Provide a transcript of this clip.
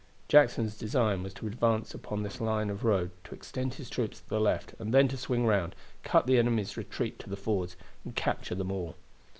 Jackson's design was to advance upon this line of road, to extend his troops to the left and then to swing round, cut the enemy's retreat to the fords, and capture them all.